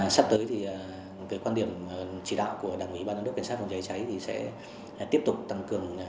sắp tới thì quan điểm chỉ đạo của đảng ủy ban đồng đốc cảnh sát phòng cháy chữa cháy sẽ tiếp tục tăng cường